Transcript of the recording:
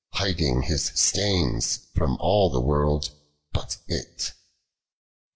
Hiding his stains from all the woild bnt it.